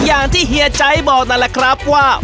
อย่างที่เฮียจัยบอกนั่นแหละครับว่า